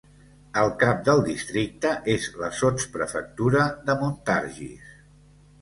El cap del districte és la sotsprefectura de Montargis.